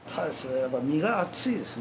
◆身が厚いですね。